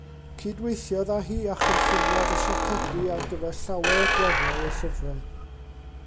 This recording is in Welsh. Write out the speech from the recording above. Cydweithiodd â hi a chynlluniodd y siacedi ar gyfer llawer o gloriau ei llyfrau.